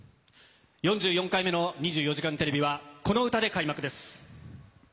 ４４回目の『２４時間テレビ』はこの歌で開幕です。